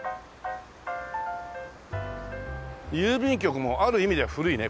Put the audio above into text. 郵便局もある意味では古いね